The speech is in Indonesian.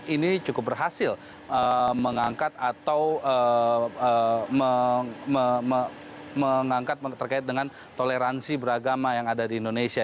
ini cukup berhasil mengangkat atau mengangkat terkait dengan toleransi beragama yang ada di indonesia